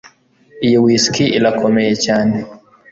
Iyi whisky irakomeye cyane